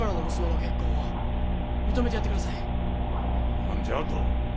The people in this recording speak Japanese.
何じゃあと？